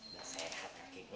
udah sehat kakek gue